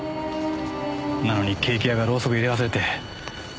なのにケーキ屋がローソク入れ忘れて。